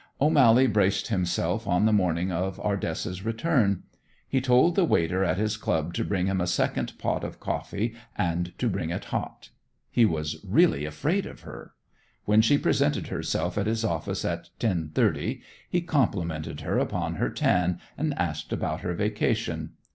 O'Mally braced himself on the morning of Ardessa's return. He told the waiter at his club to bring him a second pot of coffee and to bring it hot. He was really afraid of her. When she presented herself at his office at 10:30 he complimented her upon her tan and asked about her vacation.